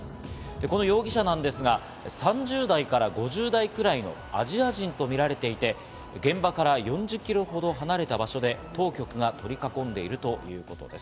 この容疑者なんですが、３０代から５０代くらいのアジア人とみられていて、現場から４０キロほど離れた場所で当局が取り囲んでいるということです。